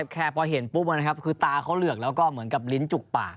แค่พอเห็นปุ๊บคือตาเขาเหลือกแล้วก็เหมือนกับลิ้นจุกปาก